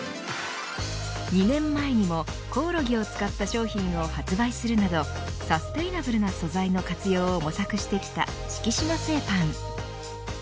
２年前にもコオロギを使った商品を発売するなどサステイナブルな素材の活用を模索してきた敷島製パン。